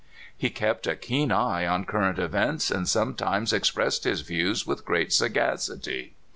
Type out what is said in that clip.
He kept a keen eye on current events, and sometimes expressed his views with great sagacity.